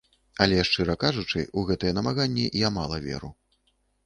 Але, шчыра кажучы, у гэтыя намаганні я мала веру.